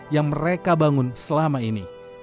yang mereka bangun selama ini